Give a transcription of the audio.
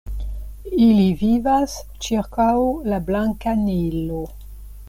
Ili vivas ĉirkaŭ la Blanka Nilo.